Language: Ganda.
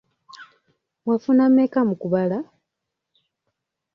Wafuna mmeka mu kubala?